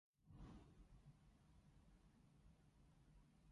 青紅蘿蔔粟米湯